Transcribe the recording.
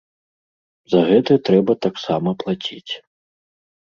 За гэта трэба таксама плаціць.